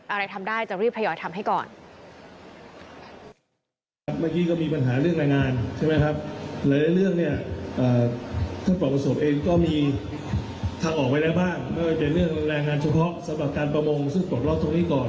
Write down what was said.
อะไรทำได้จะรีบทยอยทำให้ก่อน